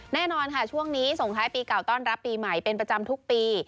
แน่นอนค่ะช่วงนี้ส่งท้ายปีเก่าต้อนรับปีใหม่เป็นประจำทุกปี